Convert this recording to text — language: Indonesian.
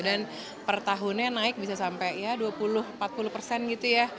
per tahunnya naik bisa sampai ya dua puluh empat puluh persen gitu ya